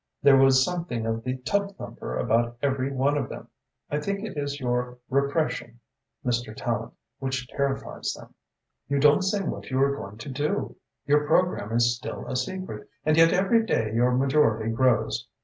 There was something of the tub thumper about every one of them. I think it is your repression, Mr. Tallente, which terrifies them. You don't say what you are going to do. Your programme is still a secret and yet every day your majority grows.